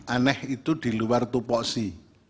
aneh itu di luar tupoksi